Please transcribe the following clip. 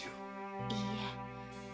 いいえ。